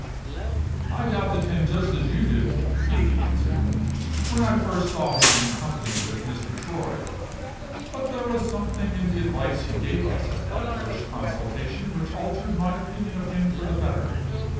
"I doubted him just as you do," Moody answered, "when I first saw him in company with Mr. Troy. But there was something in the advice he gave us at that first consultation which altered my opinion of him for the better.